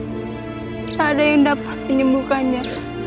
tidak ada yang dapat menyembuhkannya